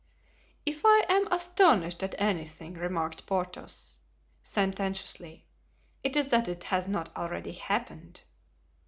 "If I am astonished at anything," remarked Porthos, sententiously, "it is that it has not already happened."